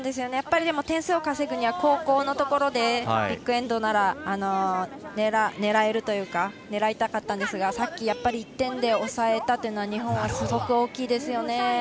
やっぱり点数を稼ぐには後攻のところでビッグエンドなら狙えるというか狙いたかったんですがさっき、やっぱり１点で抑えたというのは日本は、すごく大きいですね。